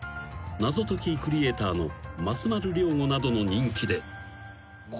［謎解きクリエーターの松丸亮吾などの人気で］